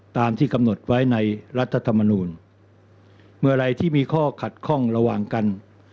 ตามที่กำหนดไว้ในรัฐธรรมนูลเมื่อไหร่ที่มีข้อขัดข้องระหว่างกัน